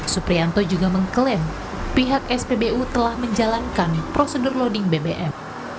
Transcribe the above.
suprianto juga mengklaim pihak spbu telah menjalankan prosedur loading bbm